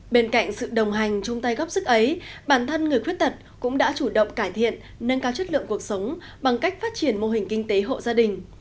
bên cạnh sự đồng hành chung tay góp sức ấy bản thân người khuyết tật cũng đã chủ động cải thiện nâng cao chất lượng cuộc sống bằng cách phát triển mô hình kinh tế hộ gia đình